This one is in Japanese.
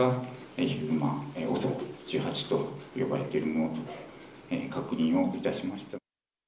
ヒグマ、ＯＳＯ１８と呼ばれているものと確認をいたしました。